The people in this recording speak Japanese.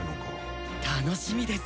楽しみです。